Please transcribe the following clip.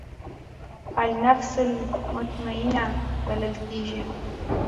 النفس المطمئنه بلل کېږي.